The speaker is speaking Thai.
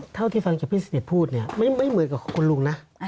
เท่าที่ผมฟังอย่างพี่สนิทพูดไม่เหมือนกับคุณลุงนะ